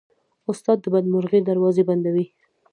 استاد د بدمرغۍ دروازې بندوي.